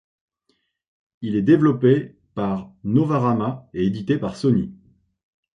Il est développé par Novarama et édité par Sony.